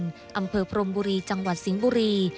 อำเภอพรมบุรีจังหวัดสิงห์บุรี